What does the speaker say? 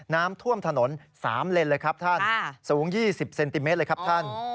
น้ำท่วมถนน๓เลนเลยครับท่านสูง๒๐เซนติเมตรเลยครับท่าน